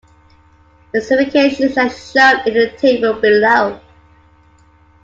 Specifications are shown in the table below.